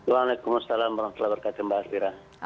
waalaikumsalam warahmatullahi wabarakatuh mbak asfira